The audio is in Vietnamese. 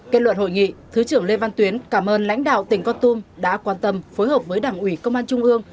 kết luận hội nghị thứ trưởng lê văn tuyến cảm ơn lãnh đạo tỉnh con tum đã quan tâm phối hợp với đảng ủy công an trung ương